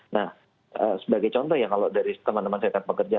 nah sebagai contoh ya kalau dari teman teman serikat pekerja